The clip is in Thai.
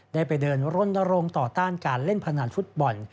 ได้ไปเดินว่าร่มโน้นต่อต้านการเล่นพนันฟุตบอล